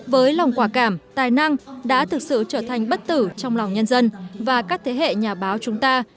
với lòng quả cảm tài năng đã thực sự trở thành bất tử trong lòng nhân dân và các thế hệ nhà báo chúng ta